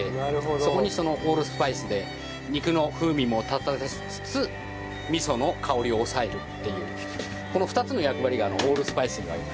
そこにオールスパイスで肉の風味も立たせつつ味噌の香りを抑えるっていうこの２つの役割がオールスパイスにはあります。